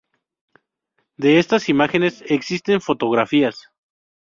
De estas imágenes existen fotografías.